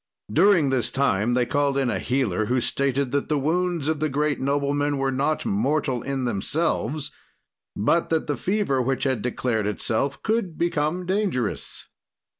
"During this time, they called in a healer who stated that the wounds of the great nobleman were not mortal in themselves, but that the fever which had declared itself could become dangerous.